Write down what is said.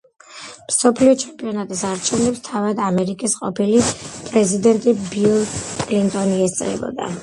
მსოფლიო ჩემპიონატის არჩევნებს თავად ამერიკის ყოფილი პრეზიდენტი ბილ კლინტონი ესწრებოდა.